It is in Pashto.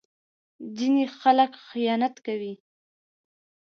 ځینې خلک خیانت کوي.